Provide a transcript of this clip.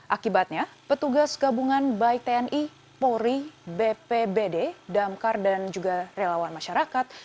akibatnya petugas gabungan baik tni polri bpbd damkar dan juga relawan masyarakat